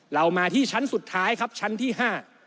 เรามาที่ชั้นสุดท้ายครับชั้นที่ห้า